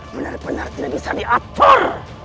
benar benar tidak bisa diatur